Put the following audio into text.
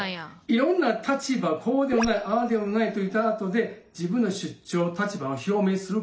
いろんな立場こうではないああではないと言ったあとで自分の主張立場を表明することが大事なんです。